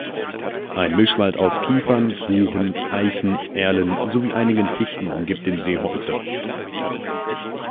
Ein Mischwald aus Kiefern, Buchen, Eichen, Erlen sowie einigen Fichten umgibt den See heute.